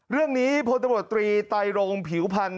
เรื่องนี้โพธิบัตรตรีไตรงผิวพันธ์